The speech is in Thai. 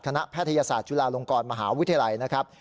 แพทยศาสตร์จุฬาลงกรมหาวิทยาลัยนะครับ